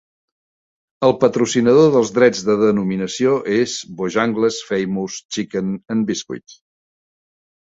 El patrocinador dels drets de denominació és Bojangles' Famous Chicken 'n Biscuits.